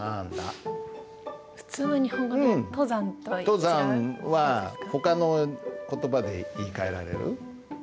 「登山」はほかの言葉で言いかえられる？